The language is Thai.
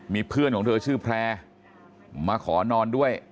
มีเพื่อนของเธอชื่อแพร่มาขอนอนด้วย